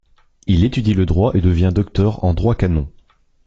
Il étudie le droit et devient docteur en droit canon.